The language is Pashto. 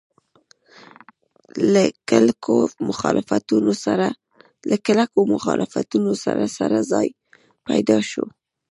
له کلکو مخالفتونو سره سره ځای پیدا شو.